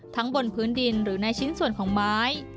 บนพื้นดินหรือในชิ้นส่วนของไม้